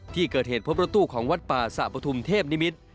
ที่เกิดเหตุพบรถตู้ของวัดป่าสะปฐุมเทพนิมิตร